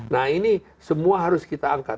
nah ini semua harus diperhatikan